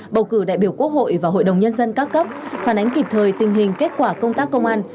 bầu cử đại biểu quốc hội và hội đồng nhân dân các cấp phản ánh kịp thời tình hình kết quả công tác công an